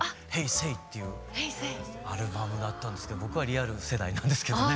Ｓａｙ！」っていうアルバムだったんですけど僕はリアル世代なんですけどね。